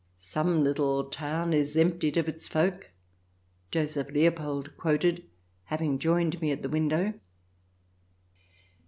"Some little town is emptied of its folk," Joseph Leopold quoted,* having joined me at the window.